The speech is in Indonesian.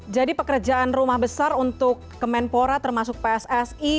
jadi pekerjaan rumah besar untuk kemenpora termasuk pssi